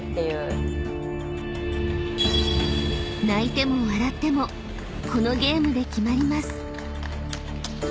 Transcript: ［泣いても笑ってもこのゲームで決まります］